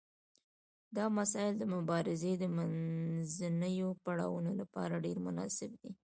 دا مسایل د مبارزې د منځنیو پړاوونو لپاره ډیر مناسب دي.